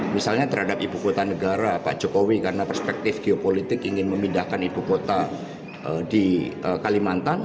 misalnya terhadap ibu kota negara pak jokowi karena perspektif geopolitik ingin memindahkan ibu kota di kalimantan